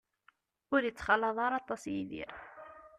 Ur ittxalaḍ ara aṭas Yidir.